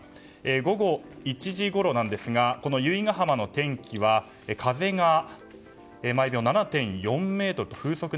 午後１時ごろですがこの由比ガ浜の天気は風が毎秒７．４メートル